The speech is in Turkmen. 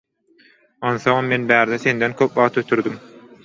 Onsoňam men bärde senden köp wagt ötürdüm.